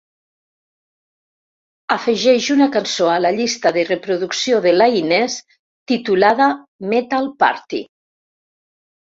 Afegeix una cançó a la llista de reproducció de la Inés titulada Metal Party